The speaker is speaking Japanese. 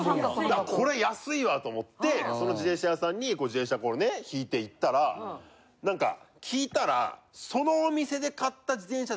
こら安いわ！と思ってその自転車屋さんに自転車こうねひいて行ったらなんか聞いたら。